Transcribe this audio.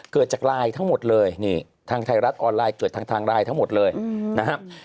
เกิดจากไลน์ทั้งหมดเลยนี่ทางไทยรัฐออนไลน์เกิดทางไลน์ทั้งหมดเลยนะครับ